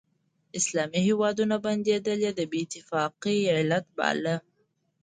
اسلامي هیوادونه بندېدل یې د بې اتفاقۍ علت باله.